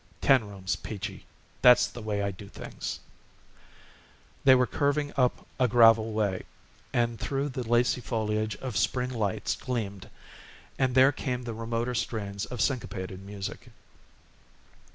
"Ten rooms, Peachy that's the way I do things." They were curving up a gravel way, and through the lacy foliage of spring lights gleamed, and there came the remoter strains of syncopated music.